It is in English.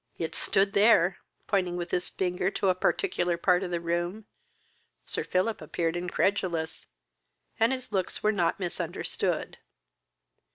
"It stood there!" pointing with his finger to a particular part of the room. Sir Philip appeared incredulous, and his looks were not misunderstood.